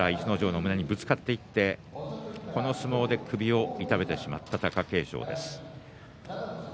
頭から逸ノ城の胸にぶつかっていってこの相撲で首を痛めてしまった貴景勝です。